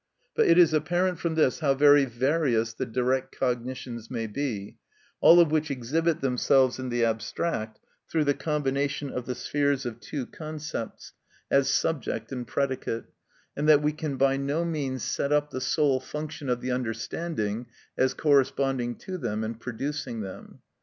But it is apparent from this how very various the direct cognitions may be, all of which exhibit themselves in the abstract, through the combination of the spheres of two concepts, as subject and predicate, and that we can by no means set up the sole function of the understanding as corresponding to them and producing them.